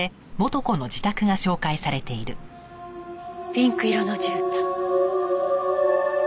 ピンク色の絨毯。